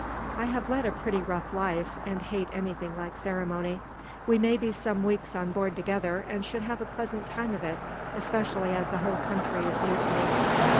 I have led a pretty rough life, and hate anything like ceremony. We may be some weeks on board together, and should have a pleasant time of it, especially as the whole country is new to me."